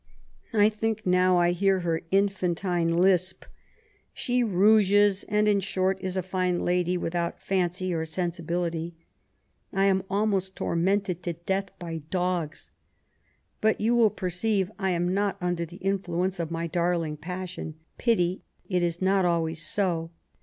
I think now I hear her infantine lisp. She rouges, and, in short, is a fine lady, without fancy or sensibility. I am almost tormented to death by dogs. But you will perceive I am not under the influence of my darling passion — ^pity ; it is not always so.